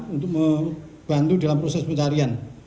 untuk membantu dalam proses pencarian